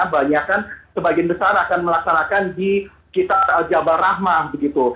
banyakkan sebagian besar akan melaksanakan di kitab jabal rahmah begitu